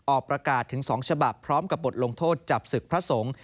ออกประกาศถึง๒ฉบับพร้อมกับบทลงโทษจับศึกพระสงฆ์